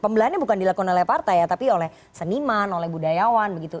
pembelahannya bukan dilakukan oleh partai ya tapi oleh seniman oleh budayawan begitu